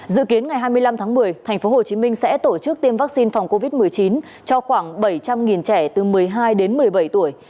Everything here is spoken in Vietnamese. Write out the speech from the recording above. dự kiến ngày hai mươi năm tháng một mươi tp hcm sẽ tổ chức tiêm vaccine phòng covid một mươi chín cho khoảng bảy trăm linh trẻ từ một mươi hai đến một mươi bảy tuổi